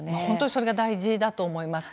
それが大事だと思います。